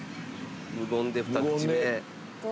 無言でふた口目。